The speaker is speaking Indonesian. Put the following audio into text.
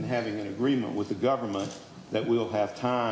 dengan pemerintah yang akan memiliki waktu